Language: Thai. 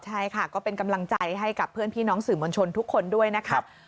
ใช่ค่ะก็เป็นกำลังใจให้กับเพื่อนพี่น้องสื่อมวลชนทุกคนด้วยนะครับ